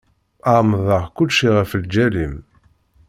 Ԑemmdeɣ kulci ɣef lǧal-im.